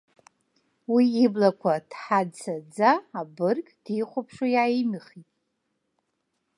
Уи иблақәа ҭҳацаӡа абырг дихәаԥшуа иааимихит.